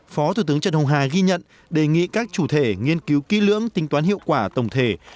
phó thủ tướng trần hồng hà ghi nhận đề nghị các chủ thể nghiên cứu kỹ lưỡng tính toán hiệu quả tổng thể